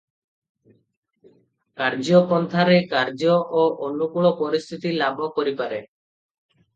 କାର୍ଯ୍ୟ ପନ୍ଥାରେ କାର୍ଯ୍ୟ ଓ ଅନୁକୂଳ ପରିସ୍ଥିତି ଲାଭ କରିପାରେ ।